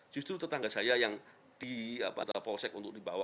justru tetangga saya yang di polsek untuk dibawa